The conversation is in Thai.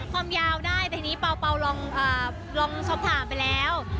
ความยาวได้แต่ทีนี้เปล่าลองสอบถามไปแล้ว